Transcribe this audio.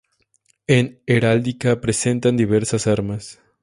En heráldica presentan diversas armas.